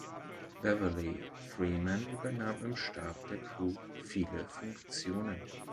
Beverly Freeman übernahm im Stab der Crew viele Funktionen.